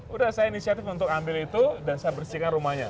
udah saya inisiatif untuk ambil itu dan saya bersihkan rumahnya